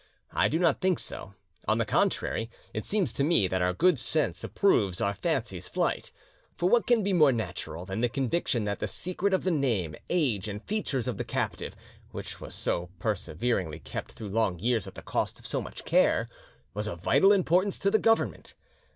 I do not think so; on the contrary, it seems to me that our good sense approves our fancy's flight. For what can be more natural than the conviction that the secret of the name, age, and features of the captive, which was so perseveringly kept through long years at the cost of so much care, was of vital importance to the Government?